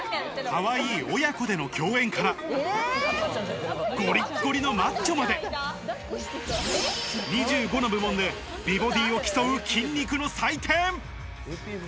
かわいい親子での競演からゴリゴリのマッチョまで、２５の部門で美ボディを競う筋肉の祭典。